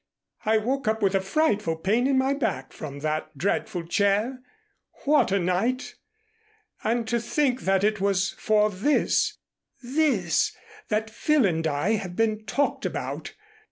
I woke up with a frightful pain in my back from that dreadful chair. What a night! And to think that it was for this this, that Phil and I have been talked about!